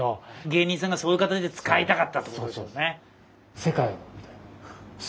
芸人さんがそういう形で使いたかったってことですもんね。